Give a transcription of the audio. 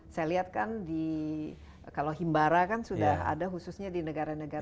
saya lihat kan di kalau himbara kan sudah ada khususnya di negara negara